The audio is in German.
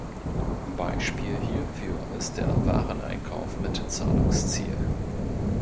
Beispiel hierfür ist der Wareneinkauf mit Zahlungsziel.